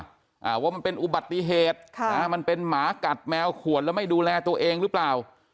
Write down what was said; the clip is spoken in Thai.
อ่าว่ามันเป็นอุบัติเหตุค่ะนะมันเป็นหมากัดแมวขวดแล้วไม่ดูแลตัวเองหรือเปล่า